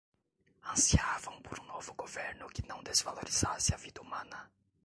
Ansiavam por um novo governo que não desvalorizasse a vida humana